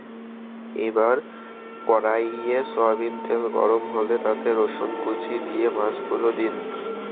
এবার কড়াইয়ে সয়াবিন তেল গরম হলে তাতে রসুন কুচি দিয়ে মাছগুলো দিন।